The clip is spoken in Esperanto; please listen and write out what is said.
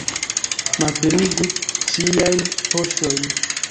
Malplenigu ciajn poŝojn!